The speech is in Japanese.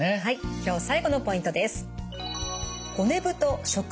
今日最後のポイントです。